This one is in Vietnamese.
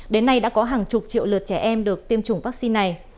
đến nay đã có hàng chục triệu lượt trẻ em được tiêm chủng vaccine này